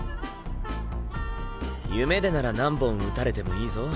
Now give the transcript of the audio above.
夢でなら何本打たれてもいいぞ。